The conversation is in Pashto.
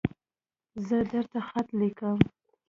زه درته خط لیکم